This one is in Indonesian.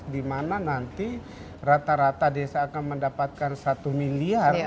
dimana nanti rata rata desa akan mendapatkan satu miliar